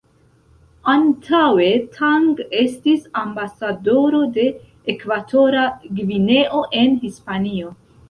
Antaŭe Tang estis ambasadoro de Ekvatora Gvineo en Hispanio.